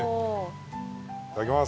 いただきます。